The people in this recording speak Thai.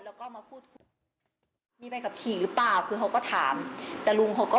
เอารถกลับไปดูคือไม่ได้ไปดูเลยอะค่ะ